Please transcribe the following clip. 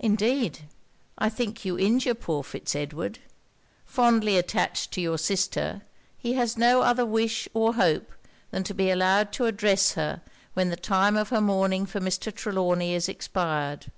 'Indeed I think you injure poor Fitz Edward. Fondly attached to your sister, he has no other wish or hope than to be allowed to address her when the time of her mourning for Mr. Trelawny is expired.